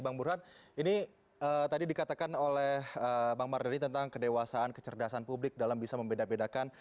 bang burhan ini tadi dikatakan oleh bang mardani tentang kedewasaan kecerdasan publik dalam bisa membeda bedakan